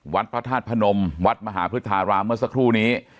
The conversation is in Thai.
พระธาตุพนมวัดมหาพฤทธารามเมื่อสักครู่นี้